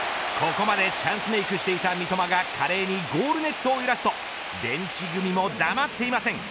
ここまでチャンスメークしていた三笘が華麗にゴールネットを揺らすとベンチ組も黙っていません。